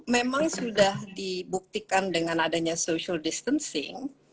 memang sudah dibuktikan dengan adanya social distancing